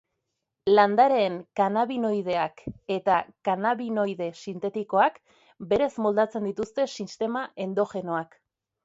Landareen kannabinoideak eta kanabinoide sintetikoak berez moldatzen dituzte sistema endogenoak.